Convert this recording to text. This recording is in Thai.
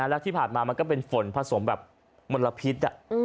แล้วที่ผ่านมามันก็เป็นฝนผสมแบบมลพิษ